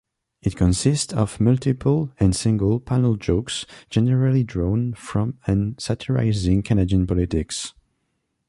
It consists of multiple- and single-panel jokes, generally drawn from and satirizing Canadian politics.